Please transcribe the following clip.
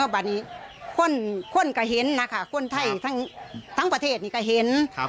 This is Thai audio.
บันนี้คนคนก็เห็นนะคะคนไทยทั้งทั้งประเทศนี้ก็เห็นครับ